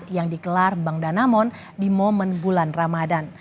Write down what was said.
yang dikelar bank danamon di momen bulan ramadan